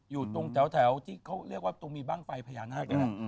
อยู่ตรงแถวที่เขาเรียกว่าตรงมีบ้างไฟพญานาคนี่แหละ